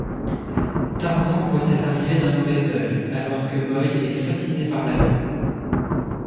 Tarzan voit cette arrivée d'un mauvais œil, alors que Boy est fasciné par l'avion.